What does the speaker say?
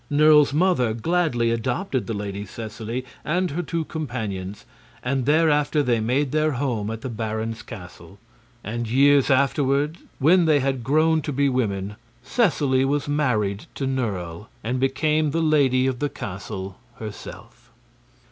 Nerle's mother gladly adopted the Lady Seseley and her two companions, and thereafter they made their home at the baron's castle. And years afterward, when they had grown to be women, Seseley was married to Nerle and became the lady of the castle herself.